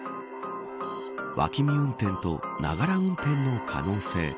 脇見運転とながら運転の可能性。